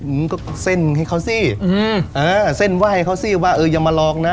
อืมก็เส้นให้เขาสิอืมเออเส้นไหว้เขาสิว่าเอออย่ามาลองนะ